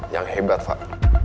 yang hebat fah